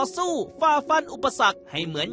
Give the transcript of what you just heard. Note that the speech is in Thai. การที่บูชาเทพสามองค์มันทำให้ร้านประสบความสำเร็จ